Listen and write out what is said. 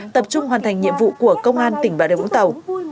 tập trung hoàn thành nhiệm vụ của công an tỉnh bà điều vũng tàu